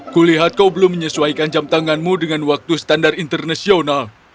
kulihat kau belum menyesuaikan jam tanganmu dengan waktu standar internasional